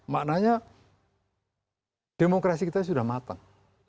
maknanya demokrasi kita sudah matang